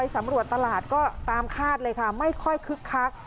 สำรวจตลาดก็ตามคาดเลยค่ะไม่ค่อยคึกคัก